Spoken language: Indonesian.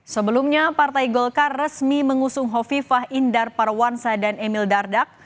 sebelumnya partai golkar resmi mengusung hovifah indar parawansa dan emil dardak